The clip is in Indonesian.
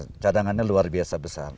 karena cadangannya luar biasa besar